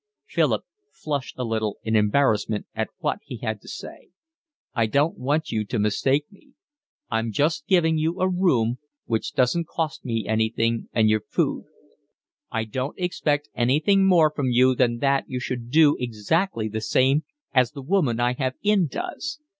Philip flushed a little in embarrassment at what he had to say. "I don't want you to mistake me. I'm just giving you a room which doesn't cost me anything and your food. I don't expect anything more from you than that you should do exactly the same as the woman I have in does.